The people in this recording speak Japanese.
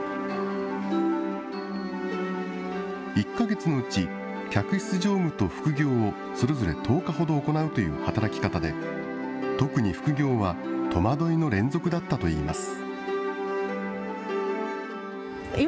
１か月のうち、客室乗務と副業をそれぞれ１０日ほど行うという働き方で、特に副業は戸惑いの連続だったといいます。